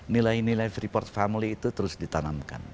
nilai nilai freeport family itu terus ditanamkan